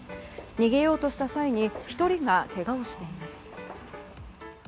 逃げようとした際に１人がけがをしています。